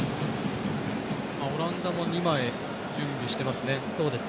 オランダも２枚、準備してますね。